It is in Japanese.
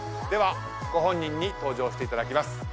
ではご本人に登場していただきます。